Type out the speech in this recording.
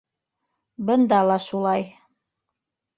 Бында ла шулай.